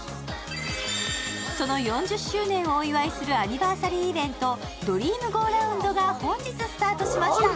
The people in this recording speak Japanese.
その４０周年をお祝いするアニバーサリーイベント、ドリームゴーラウンドが本日スタートしました。